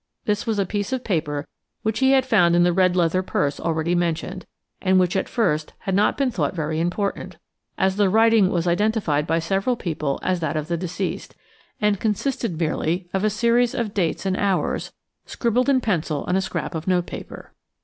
This was a piece of paper which he had found in the red leather purse already mentioned, and which at first had not been thought very important, as the writing was identified by several people as that of the deceased, and consisted merely of a series of dates and hours scribbled in pencil on a scrap of notepaper.